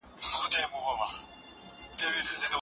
که ورېځ وي نو سیوری نه ورکیږي.